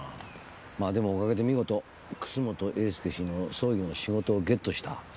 まぁでもおかげで見事楠本英輔氏の葬儀の仕事をゲットした。